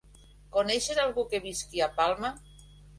Coneixes algú que visqui a Palma?